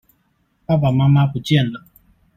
爸爸媽媽不見了